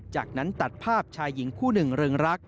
จากนั้นตัดภาพชายหญิงคู่หนึ่งเริงรัก